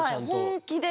本気で。